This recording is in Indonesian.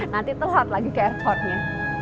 nanti telat lagi ke airportnya